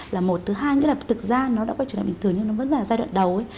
là một thứ hai nghĩa là thực ra nó đã quay trở lại bình thường nhưng nó vẫn là giai đoạn đầu